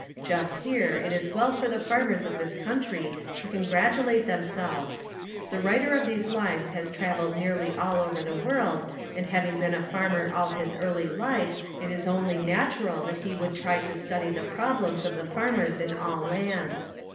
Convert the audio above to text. Just here it is well for the farmers of this country to congratulate themselves. The writer of these lines has traveled nearly all over the world and having been a farmer all his early life it is only natural that he would try to study the problems of the farmers in all lands.